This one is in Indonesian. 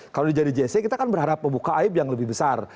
kalau dia jadi jc kita kan berharap membuka aib yang lebih besar